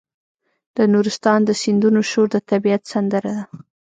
د نورستان د سیندونو شور د طبیعت سندره ده.